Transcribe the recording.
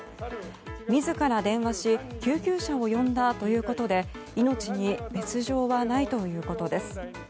自ら電話し救急車を呼んだということで命に別条はないということです。